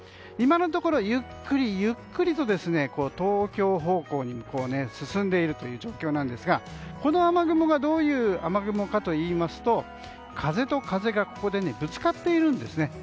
今のところゆっくり、ゆっくりと東京方向に進んでいるという状況なんですがこの雨雲がどんな雨雲かというと風と風がここでぶつかっているんですね。